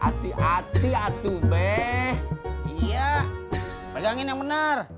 hati hati atuh be iya pelanggan yang benar